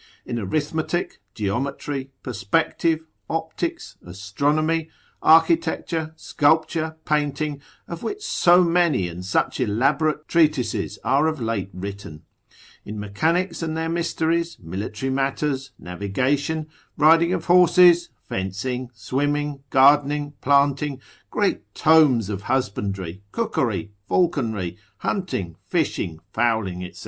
In arithmetic, geometry, perspective, optics, astronomy, architecture, sculpture, painting, of which so many and such elaborate treatises are of late written: in mechanics and their mysteries, military matters, navigation, riding of horses, fencing, swimming, gardening, planting, great tomes of husbandry, cookery, falconry, hunting, fishing, fowling, &c.